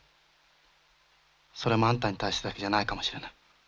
それもあんたに対してだけじゃないかもしれない。